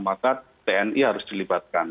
maka tni harus dilibatkan